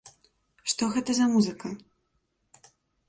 Што гэта за музыка?